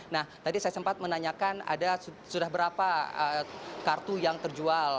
nah tadi saya sempat menanyakan ada sudah berapa kartu yang terjual